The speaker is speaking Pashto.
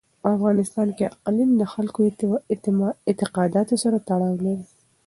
په افغانستان کې اقلیم د خلکو د اعتقاداتو سره تړاو لري.